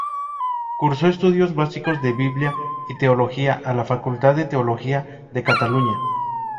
Cursó estudios básicos de Biblia y teología a la Facultad de Teología de Cataluña.